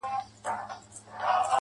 پر ټول جهان دا ټپه پورته ښه ده.